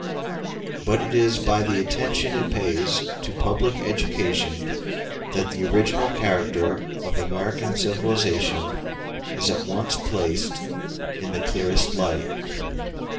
] But it is by the attention it pays to Public Education that the original character of American civilization is at once placed in the clearest light.